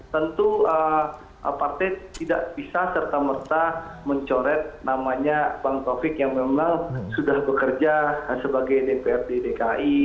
tentu partai tidak bisa serta merta mencoret namanya bang taufik yang memang sudah bekerja sebagai dprd dki